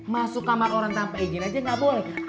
masuk kamar orang tanpa izin aja nggak boleh